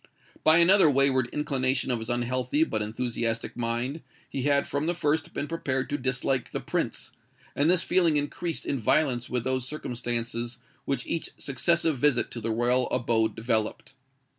By another wayward inclination of his unhealthy but enthusiastic mind, he had from the first been prepared to dislike the Prince; and this feeling increased in violence with those circumstances which each successive visit to the royal abode developed.